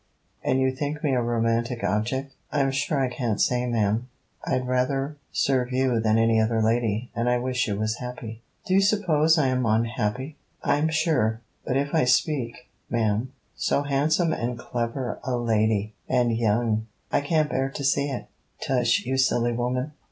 'And you think me a romantic object?' 'I'm sure I can't say, ma'am. I'd rather serve you than any other lady; and I wish you was happy.' 'Do you suppose I am unhappy?' 'I'm sure but if I may speak, ma'am: so handsome and clever a lady! and young! I can't bear to see it.' 'Tush, you silly woman.